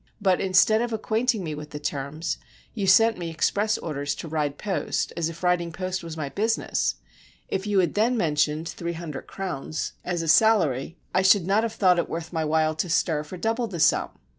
But instead of acquainting me with the terms, you sent me express orders to ride post, as if riding post was my busi ness. If you had then mentioned three hundred crowns 229 FRANCE as a salary, I should not have thought it worth my while to stir for double the sum.